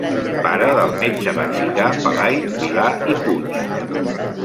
Pare del metge mexicà Pelai Vilar i Puig.